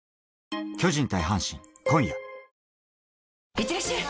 いってらっしゃい！